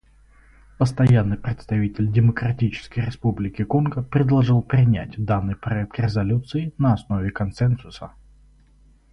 Постоянный представитель Демократической Республики Конго предложил принять данный проект резолюции на основе консенсуса.